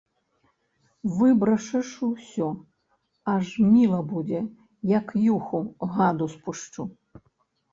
Выбрашаш усё, аж міла будзе, як юху гаду спушчу!